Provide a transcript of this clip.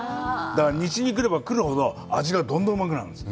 だから、西に行けば行くほど、味がどんどんうまくなるんです。